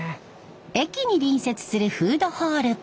駅に隣接するフードホール。